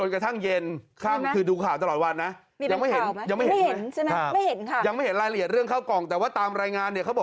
ครับจนกระทั่งเย็น